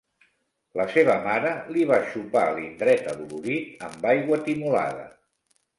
La seva mare li va xopar l'indret adolorit amb aigua timolada.